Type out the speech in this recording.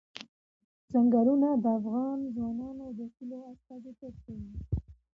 ځنګلونه د افغان ځوانانو د هیلو استازیتوب کوي.